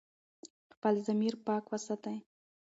خپل ضمیر پاک وساتئ.